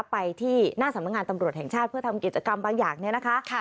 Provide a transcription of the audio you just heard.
ไปที่หน้าสำนักงานตำรวจแห่งชาติเพื่อทำกิจกรรมบางอย่างเนี่ยนะคะ